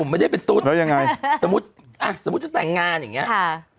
ไม่ได้เป็นตุ๊ดแล้วยังไงสมมุติอ่ะสมมุติจะแต่งงานอย่างเงี้ค่ะ